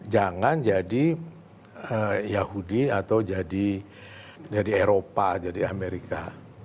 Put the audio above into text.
jangan jadi yahudi atau jadi dari eropa jadi amerika